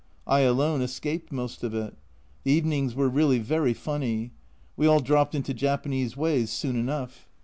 I alone escaped most of it. The evenings were really very funny. We all dropped into Japanese ways soon enough.